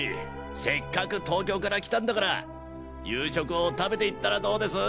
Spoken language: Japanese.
せっかく東京から来たんだから夕食を食べていったらどうです？